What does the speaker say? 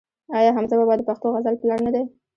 آیا حمزه بابا د پښتو غزل پلار نه دی؟